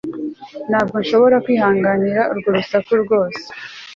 ntabwo nshobora kwihanganira urwo rusaku rwose